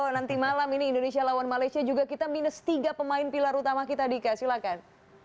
nanti malam ini indonesia lawan malaysia juga kita minus tiga pemain pilar utama kita dika silahkan